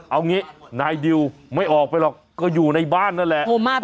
เอางี้นายดิวไม่ออกไปหรอกก็อยู่ในบ้านนั่นแหละ